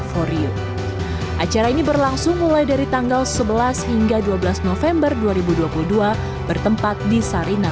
for you acara ini berlangsung mulai dari tanggal sebelas hingga dua belas november dua ribu dua puluh dua bertempat di sarina